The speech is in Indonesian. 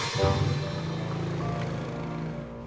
biasa aja meren